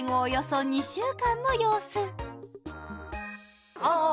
およそ２週間の様子あ